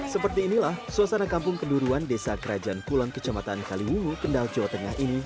seperti inilah suasana kampung kenduruan desa kerajaan kulon kecamatan kaliwungu kendal jawa tengah ini